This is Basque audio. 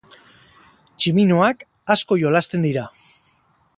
Tximinoak asko jolasten dira.